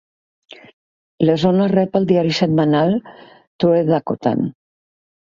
La zona rep el diari setmanal "True Dakotan".